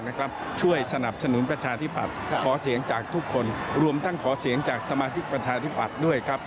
นี่คือคุณจุฬิลักษณะวิสิทธิ์ครับหัวหน้าภักดิ์ประชาธิปัตย์ครับ